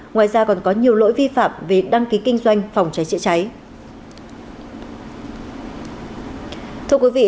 ngoài ra còn có nhiều lỗi vi phạm về đăng ký kinh doanh phòng cháy chữa cháy